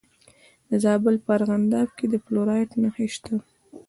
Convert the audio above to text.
د زابل په ارغنداب کې د فلورایټ نښې شته.